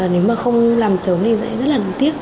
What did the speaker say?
nếu mà không làm sớm thì sẽ rất là tiếc